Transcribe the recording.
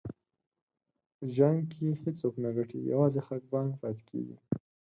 په جنګ کې هېڅوک نه ګټي، یوازې خفګان پاتې کېږي.